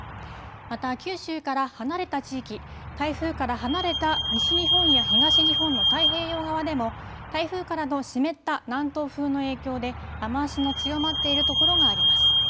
また九州から離れた地域、台風から離れた西日本や東日本の太平洋側でも台風からの湿った南東風の影響で雨足の強まっているところがあります。